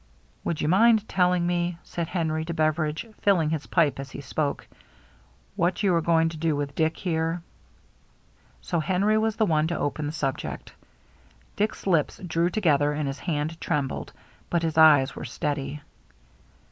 " Would you mind telling me," said Henry to Beveridge, filling his pipe as he spoke, " what you are going to do with Dick, here ?" So Henry was the one to open the subject. Dick's lips drew together and his hand trembled, but his eyes were steady.